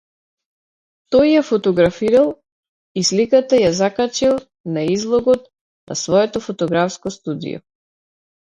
Тој ја фотографирал, и сликата ја закачил на на излогот на своето фотографско студио.